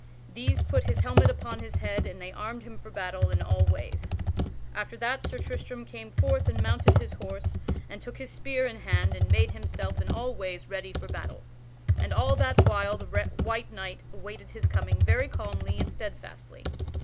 These put his helmet upon his head and they armed him for battle in all ways. After that Sir Tristram came forth and mounted his horse and took his spear in hand and made himself in all ways ready for battle, and all that while the white knight awaited his coming very calmly and steadfastly.